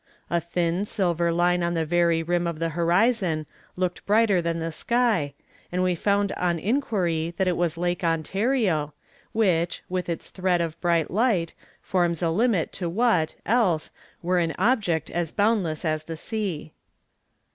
A thin silver line on the very rim of the horizon looked brighter than the sky, and we found on inquiry that it was Lake Ontario, which, with its thread of bright light, forms a limit to what, else, were an object as boundless as the sea.